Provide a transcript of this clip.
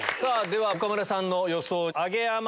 では岡村さんの予想。